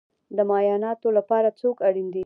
د معایناتو لپاره څوک اړین دی؟